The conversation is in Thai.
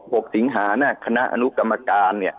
สิงหาเนี่ยคณะอนุกรรมการเนี่ย